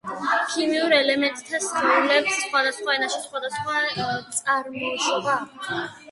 ქიმიურ ელემენტთა სახელებს სხვადასხვა ენაში სხვადასხვა წარმოშობა აქვთ.